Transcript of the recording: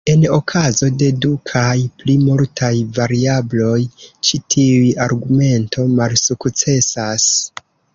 En okazo de du kaj pli multaj variabloj, ĉi tiu argumento malsukcesas.